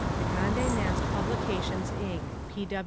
The Conde Nast Publications, Inc.